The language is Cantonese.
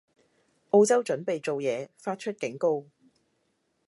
澳洲準備做嘢，發出警告